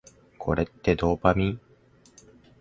これってドーパミン？